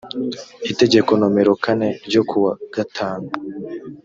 itegeko nomero kane ryo kuwa gatanu